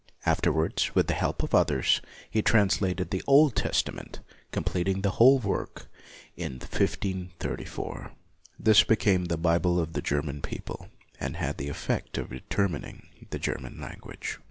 Afterwards, with the help of others, he translated the Old Testament, com pleting the whole work in 1534. This LUTHER 21 became the Bible of the German people, and had the effect of determining the German language.